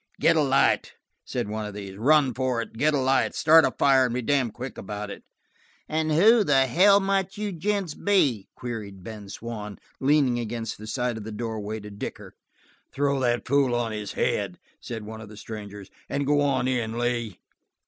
"Get a light" said one of these. "Run for it. Get a light. Start a fire, and be damned quick about it!" "And who the hell might you gents be?" queried Ben Swann, leaning against the side of the doorway to dicker. "Throw that fool on his head," said one of the strangers, "and go on in, Lee!"